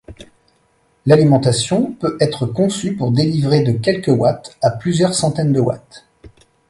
L'alimentation peut être conçue pour délivrer de quelques watts à plusieurs centaines de watts.